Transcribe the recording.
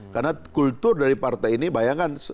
karena kultur dari partai ini bayangkan